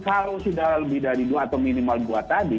kalau sudah lebih dari dua atau minimal dua tadi